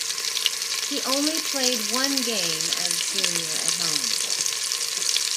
He only played one game as junior at home.